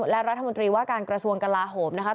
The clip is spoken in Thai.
และรัฐมนตรีว่าการกระทรวงกลาโหมนะคะ